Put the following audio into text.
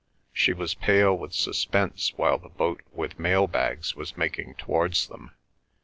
She was pale with suspense while the boat with mail bags was making towards them.